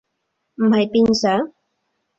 唔係變上？